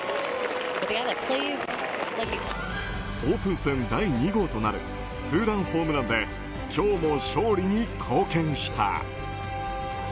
オープン戦第２号となるツーランホームランで今日も勝利に貢献した。